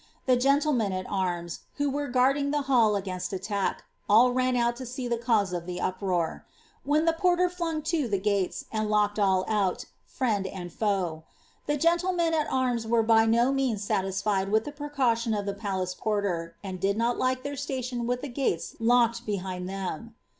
The gentlenien«al<«im8, who wen guarding the hall againat attack, all ran out to aee the canae of the uproar; whn the porter flnng to the gatea, and locked all oni— friend and foe. The gea tlemen at arma were by no nieana aatiafied with the precantion of the palace porter, and did not like their atatioa with the gatea locked behiad them.'